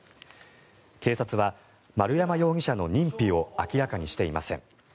警察は丸山容疑者の認否を明らかにしていません。